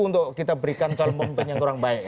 untuk kita berikan calon pemimpin yang kurang baik